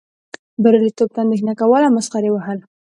بریالیتوب ته اندیښنه کول او مسخرې وهل.